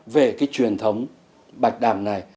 về cái truyền thống bạch đằng này